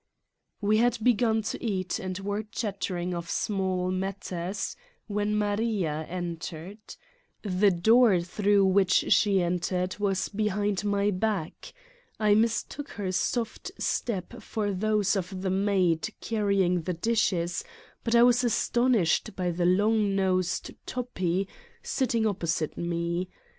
We had begun to eat, and were chattering of small matters, when Maria entered. The door through which she entered was behind my back. I mistook her soft step for those of the maid carrying the dishes, but I was astonished by the long nosed Toppi, sitting opposite me.